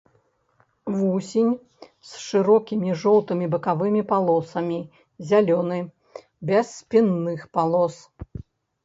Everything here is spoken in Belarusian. Вусень з шырокімі жоўтымі бакавымі палосамі, зялёны, без спінных палос.